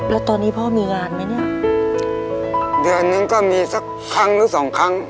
แล้วตอนนี้พ่อมีงานไหมเนี่ยเดือนนึงก็มีสักครั้งหรือสองครั้ง